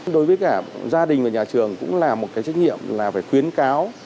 đối với cả gia đình và nhà trường cũng là một cái trách nhiệm là phải khuyến cáo và theo dõi